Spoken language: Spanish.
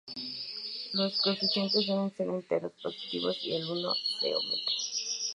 Los coeficientes deben ser enteros positivos, y el uno se omite.